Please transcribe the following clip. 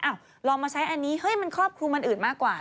ลองมาใช้อันนี้เฮ้ยมันครอบคลุมอันอื่นมากกว่า